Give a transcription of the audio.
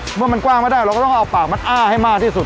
เมื่อมันกว้างไม่ได้เราก็ต้องเอาปากมัดอ้าให้มากที่สุด